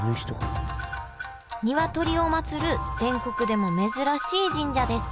ニワトリを祭る全国でも珍しい神社です